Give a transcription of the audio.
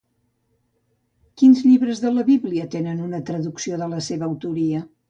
Quins llibres de la Biblia tenen una traducció de la seva autoria?